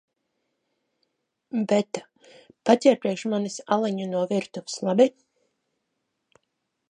Beta, paķer priekš manis aliņu no virtuves, labi?